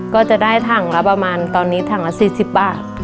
ก็จะได้ถังละประมาณตอนนี้ถังละ๔๐บาท